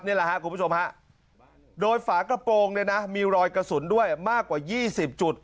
นี่แหละครับคุณผู้ชมฮะโดยฝากระโปรงเนี่ยนะมีรอยกระสุนด้วยมากกว่า๒๐จุด